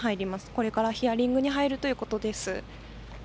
これからヒアリングに入るということです。